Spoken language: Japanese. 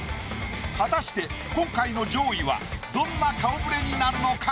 果たして今回の上位はどんな顔触れになるのか？